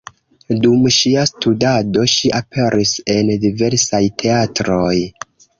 Dum ŝia studado ŝi aperis en diversaj teatroj.